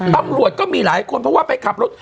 ตำรวจก็มีหลายคนเพราะว่าไปขับรถ